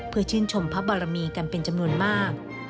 เพื่อชื่นชมพระบารมีกันเป็นจำนวนมาก